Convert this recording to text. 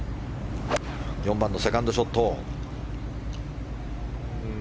４番のセカンドショット。